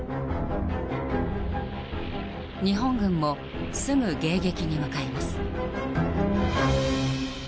日本軍もすぐ迎撃に向かいます。